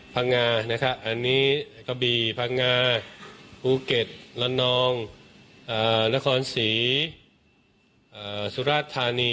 ภังงานะฮะอันนี้ก็บีภังงาภูเก็ตละนองอ่านครศรีอ่าสุราชธานี